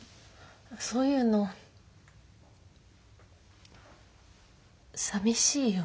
そういうのさみしいよ。